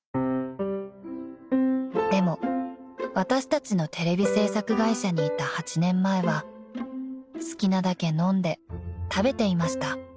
［でも私たちのテレビ制作会社にいた８年前は好きなだけ飲んで食べていました］